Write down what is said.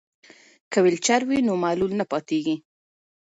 که ویلچر وي نو معلول نه پاتیږي.